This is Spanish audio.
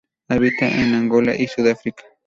Habita en Angola y Sudáfrica.